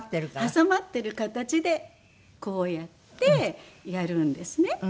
挟まってる形でこうやってやるんですね。